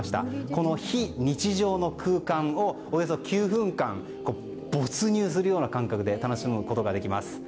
この非日常の空間をおよそ９分間没入するような感覚で楽しむことができます。